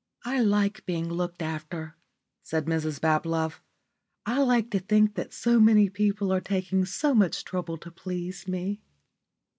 "I like being looked after," said Mrs Bablove. "I like to think that so many people are taking so much trouble to please me."